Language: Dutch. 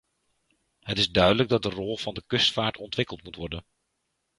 Het is duidelijk dat de rol van de kustvaart ontwikkeld moet worden.